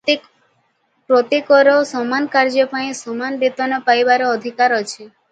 ପ୍ରତ୍ୟେକର ସମାନ କାର୍ଯ୍ୟପାଇଁ ସମାନ ବେତନ ପାଇବାର ଅଧିକାର ଅଛି ।